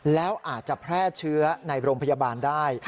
แล้วอาจจะแพร่เชื้อในโรงพยาบาลได้